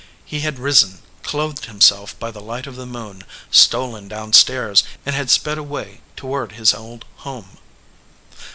He had risen, clothed himself by the light of the moon, stolen down stairs, and had sped away toward his old home.